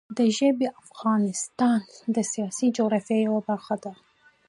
ژبې د افغانستان د سیاسي جغرافیه یوه برخه ده.